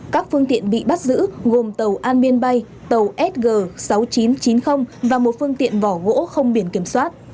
các phương tiện bị bắt giữ gồm tàu an biên bay tàu sg sáu nghìn chín trăm chín mươi và một phương tiện vỏ gỗ không biển kiểm soát